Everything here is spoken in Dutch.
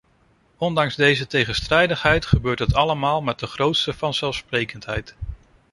Ondanks deze tegenstrijdigheid gebeurt het allemaal met de grootste vanzelfsprekendheid.